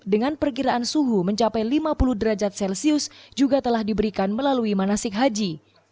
dengan perkiraan suhu mencapai lima puluh derajat celcius juga telah diberikan melalui manasik haji